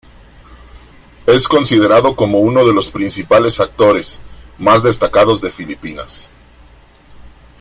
Es considerado como uno de los principales actores, más destacados de Filipinas.